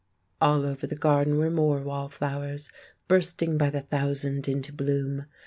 All over the garden were more wallflowers bursting by the thousand into bloom.